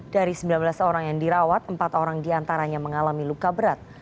dari sembilan belas orang yang dirawat empat orang diantaranya mengalami luka berat